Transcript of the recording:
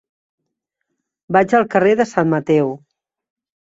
Vaig al carrer de Sant Mateu.